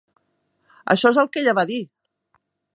Això és el que ella va dir!